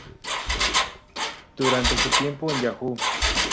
Durante su tiempo en Yahoo!